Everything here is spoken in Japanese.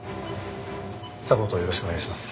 サポートをよろしくお願いします